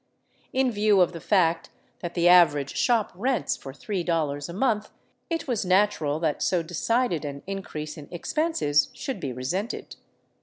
In view of the fact that the average shop rents for $3 a month, it was nat ural that so decided an increase in expenses should be resented.